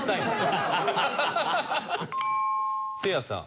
せいやさん。